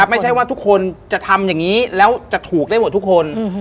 ไม่ใช่ว่าทุกคนจะทำอย่างนี้แล้วจะถูกได้หมดทุกคน